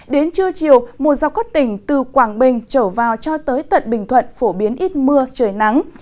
đến trưa chiều một dọc các tỉnh từ quảng bình trở vào cho tới tận bình thuận phổ biến ít mưa trời nắng